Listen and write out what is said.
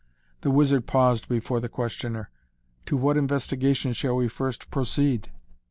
The wizard paused before the questioner. "To what investigation shall we first proceed?"